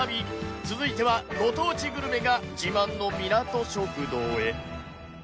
続いてはご当地グルメが自慢のみなと食堂へ